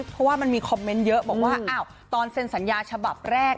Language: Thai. เพราะว่ามันมีคอมเมนต์เยอะบอกว่าอ้าวตอนเซ็นสัญญาฉบับแรก